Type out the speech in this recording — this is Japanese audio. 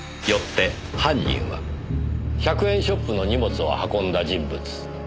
よって犯人は１００円ショップの荷物を運んだ人物。